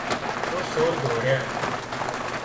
تو سور ڌوڙيا